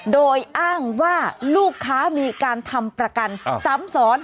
โดยอ้างว่าลูกค้ามีการทำประกันซ้ำซ้อน